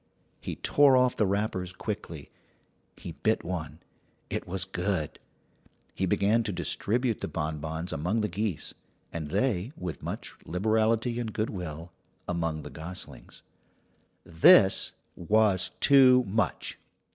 He tore off the wrappers quickly. He bit one. It was good. He began to distribute the bonbons among the geese, and they, with much liberality and good will, among the goslings. This was too much.